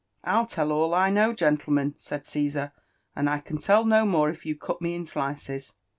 . "I'll tell all I know, gentlemen," said Caesar; " and I can tell no more if you cut me in slices."